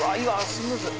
スムーズ。